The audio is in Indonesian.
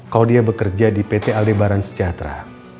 kalau dia bekerja di pt aldebaran sejahtera